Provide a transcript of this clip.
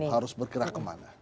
harus bergerak kemana